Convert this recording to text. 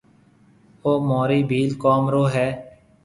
او مهورِي ڀيل قوم رو هيَ۔